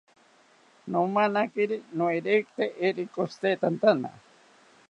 Nomanakiri noerekite eero ikoshitetantana